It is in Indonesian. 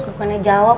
gua gak jawab